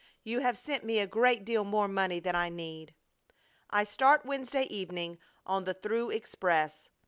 You have sent me a great deal more money than I need. I start Wednesday evening on the through express.